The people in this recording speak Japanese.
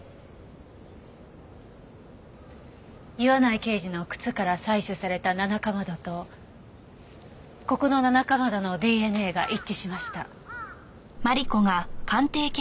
岩内刑事の靴から採取されたナナカマドとここのナナカマドのＤＮＡが一致しました。